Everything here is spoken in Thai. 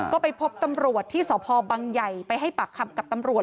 ก็ไปพบตำรวจที่สพบังใหญ่ไปให้ปากคำกับตำรวจ